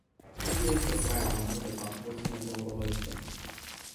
Unde este foaia noastră de parcurs meteorologică?